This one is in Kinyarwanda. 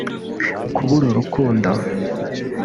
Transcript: kubura urukundo